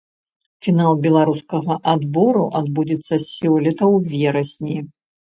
Фінал беларускага адбору адбудзецца сёлета ў верасні.